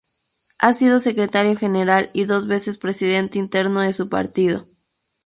Ha sido Secretario General y dos veces Presidente interno de su partido.